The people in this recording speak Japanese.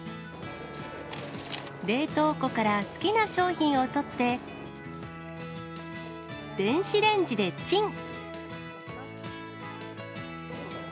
冷凍庫から好きな商品を取って、電子レンジでチン。